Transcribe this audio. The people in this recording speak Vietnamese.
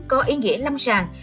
có ý nghĩa lâm sàng